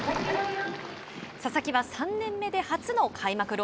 佐々木は３年目で初の開幕